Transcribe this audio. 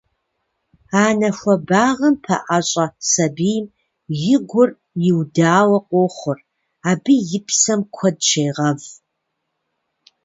Анэ хуэбагъым пэӀэщӀэ сабийм и гур иудауэ къохъур, абы и псэм куэд щегъэв.